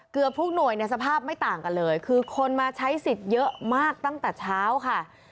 เกือบทุกหน่วยเนี่ยสภาพไม่ต่างกันเลยคือคนมาใช้สิทธิ์เยอะมากตั้งแต่เช้าค่ะ